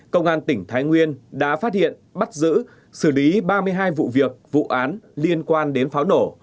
công an tỉnh thái nguyên đã phát hiện bắt giữ xử lý ba mươi hai vụ việc vụ án liên quan đến pháo nổ